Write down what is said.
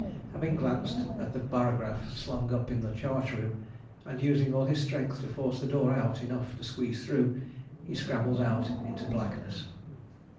Having glanced at the barograph slung up in the chart room, and using all his strength to force the door out enough to squeeze through, he scrambles out into blackness.